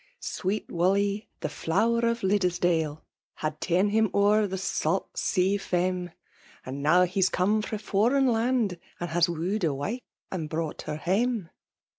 Sweet Wime> the flower of Liddesdale, H«d f akin Um o'er the vaat sea faem, And now he*s come fra' foreign land, And has woo'd a wife and brought her hama.